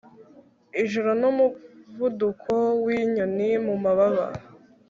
ijoro n'umuvuduko w'inyoni mu mababa